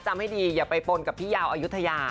ให้ดีอย่าไปปนกับพี่ยาวอายุทยา